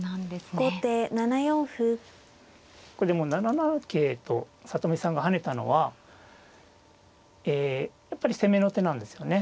これでも７七桂と里見さんが跳ねたのはやっぱり攻めの手なんですよね。